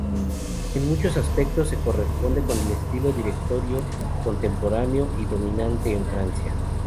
En muchos aspectos se corresponde con el estilo directorio, contemporáneo y dominante en Francia.